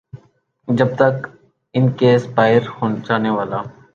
جب تک ان کے ایکسپائر ہوجانے والے